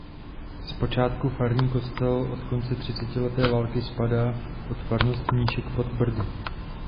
Zpočátku farní kostel od konce třicetileté války spadá pod farnost Mníšek pod Brdy.